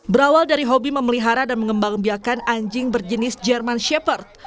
berawal dari hobi memelihara dan mengembang biakan anjing berjenis jerman shepherd